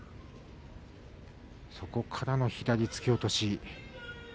そこからの左突き落とし。